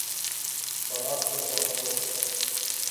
خوراک کے طور پر